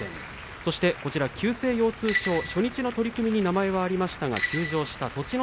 そして急性腰痛症、初日の取組に名前がありましたが休場した栃ノ